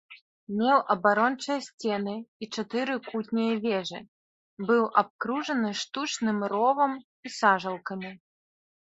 Меў абарончыя сцены і чатыры кутнія вежы, быў абкружаны штучным ровам і сажалкамі.